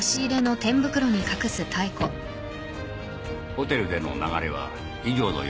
ホテルでの流れは以上のようになります。